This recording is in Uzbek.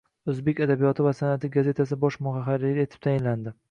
O'zbek adabiyoti va san'ati gazetasi bosh muharriri etib tayinlandi.